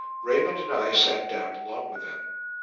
Raymond and I sat down along with them.